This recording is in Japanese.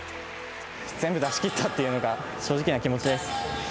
全部出しきったっていうのが正直な気持ちです。